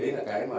thì đấy là cái mà